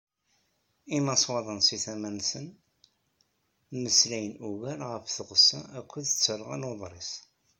Imaswaḍen si tama-nsen, mmeslayen ugar ɣef tɣessa akked talɣa n uḍris.